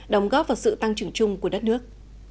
đóng góp vào sự tăng trưởng chung của đất nước